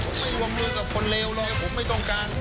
ผมไม่วงมือกับคนเลวเลยผมไม่ต้องการ